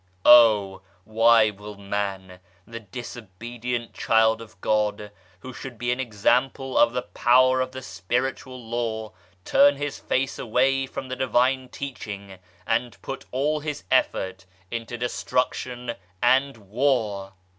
Oh 1 why will man, the disobedient Child of God, who should be an example of the Power of the Spiritual Law, turn his face away from the Divine Teaching and put all his effort into destruction and war